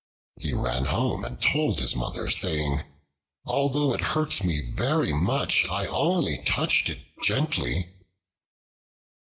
He ran home and told his Mother, saying, "Although it hurts me very much, I only touched it gently."